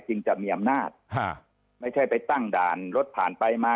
จะมีอำนาจไม่ใช่ไปตั้งด่านรถผ่านไปมา